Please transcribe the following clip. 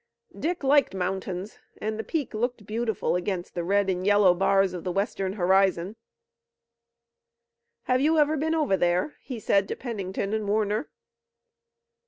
Dick liked mountains, and the peak looked beautiful against the red and yellow bars of the western horizon. "Have you ever been over there?" he said to Pennington and Warner.